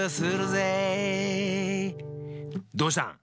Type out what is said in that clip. どうしたん？